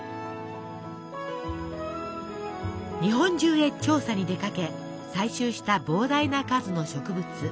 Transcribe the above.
日本中へ調査に出かけ採集した膨大な数の植物。